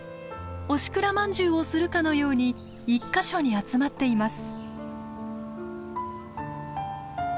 押しくらまんじゅうをするかのように１か所に集まっています。